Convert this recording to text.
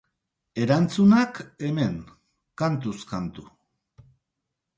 Erantzunak, hemen, kantuz kantu.